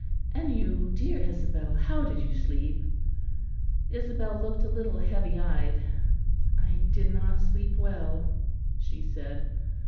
And you, dear Isabel, how did you sleep?" Isabel looked a little heavy eyed. "I did not sleep well," she said.